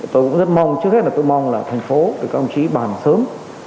tôi cũng rất mong trước hết là tôi mong là thành phố từ các ông chí bàn sớm